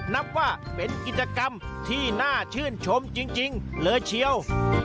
นับว่าเป็นกิจกรรมที่น่าชื่นชมจริงเลยเชียว